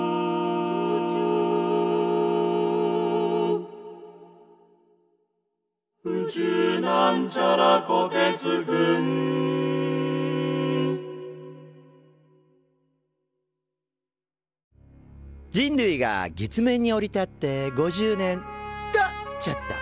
「宇宙」人類が月面に降り立って５０年。とちょっと。